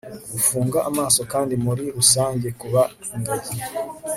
gufunga amaso kandi muri rusange kuba ingagi